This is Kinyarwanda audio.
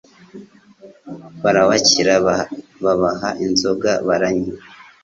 barabakira babaha inzoga baranywa